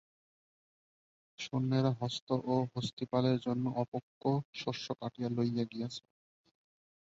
সৈন্যেরা অশ্ব ও হস্তিপালের জন্য অপক্ক শস্য কাটিয়া লইয়া গিয়াছে।